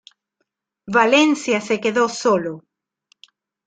Valencia se quedó solo.